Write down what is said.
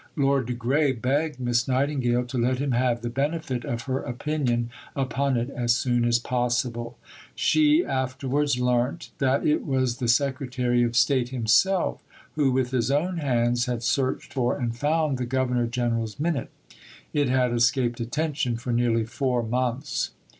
Lord de Grey begged Miss Nightingale to let him have the benefit of her opinion upon it as soon as possible." She afterwards learnt that it was the Secretary of State himself who, with his own hands, had searched for and found the Governor General's Minute. It had "escaped attention" for nearly four months.